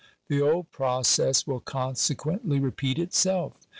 The old process will consequently repeat itself.